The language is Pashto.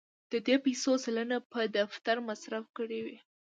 د دې پیسو سلنه په دفتر مصرف کړې وې.